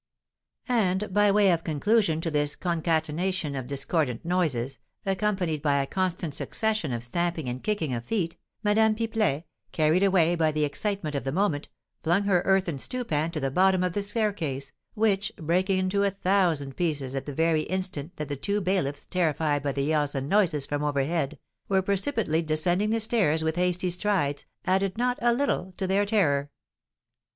And, by way of conclusion to this concatenation of discordant noises, accompanied by a constant succession of stamping and kicking of feet, Madame Pipelet, carried away by the excitement of the moment, flung her earthen stewpan to the bottom of the staircase, which, breaking into a thousand pieces at the very instant that the two bailiffs, terrified by the yells and noises from overhead, were precipitately descending the stairs with hasty strides, added not a little to their terror.